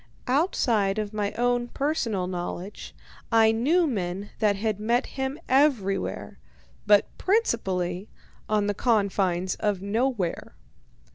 Outside of my own personal knowledge, I knew men that had met him everywhere, but principally on the confines of Nowhere.